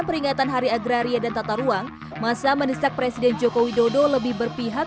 peringatan hari agraria dan tata ruang masa menisak presiden joko widodo lebih berpihak